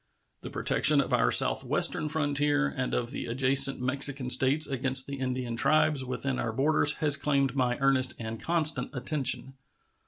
The protection of our southwestern frontier and of the adjacent Mexican States against the Indian tribes within our border has claimed my earnest and constant attention.